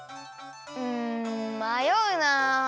んまような。